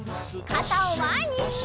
かたをまえに！